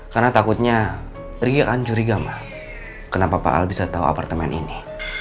karena takutnya rik akan curiga ma kenapa pak al bisa tau apartemen ini